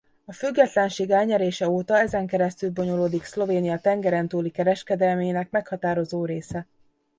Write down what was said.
A függetlenség elnyerése óta ezen keresztül bonyolódik Szlovénia tengeren túli kereskedelmének meghatározó része.